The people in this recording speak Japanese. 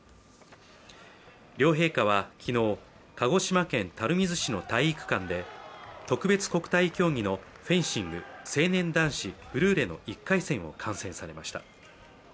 両陛下は昨日、鹿児島県垂水市の体育館で特別国体競技のフェンシング・成年男子フルーレの１回戦を観戦されました。